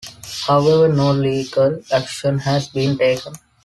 However, no legal action has been taken.